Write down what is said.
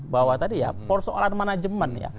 bahwa tadi ya persoalan manajemen ya